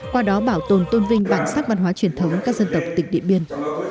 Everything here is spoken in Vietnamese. qua đó bảo tồn tôn vinh bản sắc văn hóa truyền thống các dân tộc tỉnh điện biên